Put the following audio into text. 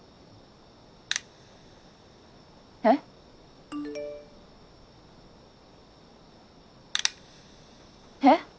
えっ？えっ？